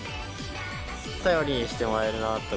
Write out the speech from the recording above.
頼りにしてもらえるなとか。